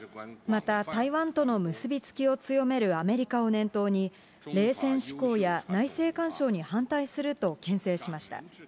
また、台湾との結び付きを強めるアメリカを念頭に、冷戦思考や内政干渉に反対するとけん制しました。